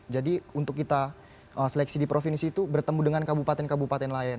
jadi untuk kita seleksi di provinsi itu bertemu dengan kabupaten kabupaten lain